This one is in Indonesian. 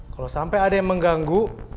kalo sampe ada yang mengganggu